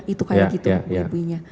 itu kayak gitu